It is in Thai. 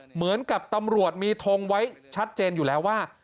เหมือนกับตำรวจมีทงไว้ชัดเจนอยู่แล้วว่า